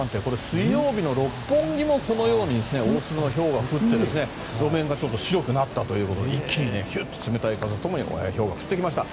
水曜日の六本木も大粒のひょうが降って路面が白くなったということで一気に冷たい風と共にひょうが降ってきました。